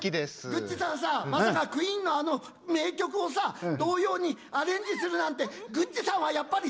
グッチさんさまさかクイーンのあの名曲をさ童謡にアレンジするなんてグッチさんはやっぱり天才だな！